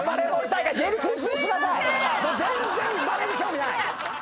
もう全然バレーに興味ない。